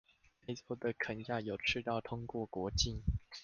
非州的肯亞有赤道通過國境